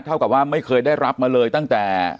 เท่ากับว่าไม่เคยได้รับมาเลยตั้งแต่